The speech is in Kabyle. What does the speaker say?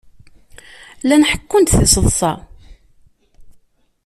Llan ḥekkun-d tiseḍsa.